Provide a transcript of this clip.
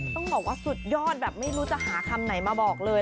ต้องบอกว่าสุดยอดแบบไม่รู้จะหาคำไหนมาบอกเลย